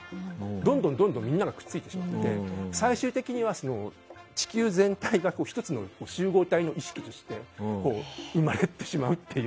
どんどんみんながくっついてしまって最終的には地球全体が集合体の意識として生まれてしまうという。